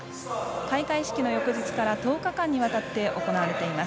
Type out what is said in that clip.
開会式の翌日から１０日間にわたって行われています。